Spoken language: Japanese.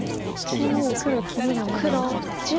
中央黒切りがまだ残ってると。